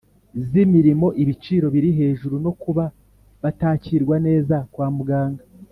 zirimo ibiciro biri hejuru no kuba batakirwa neza kwa muganga.